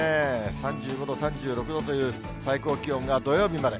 ３５度、３６度という最高気温が土曜日まで。